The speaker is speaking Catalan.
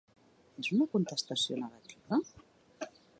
És una contestació negativa?